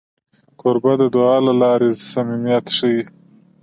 کوربه د دعا له لارې صمیمیت ښيي.